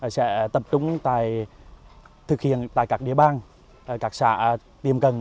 sẽ tập trung thực hiện tại các địa bàn các xã tiềm cần